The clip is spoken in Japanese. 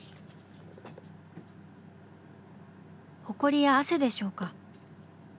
ホコリや汗でしょうか？